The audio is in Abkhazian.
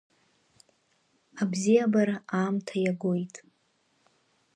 Абзиабара аамҭа иагоит…